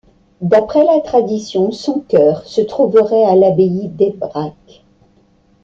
D'après la tradition, son cœur se trouverait à l'abbaye d'Ebrach.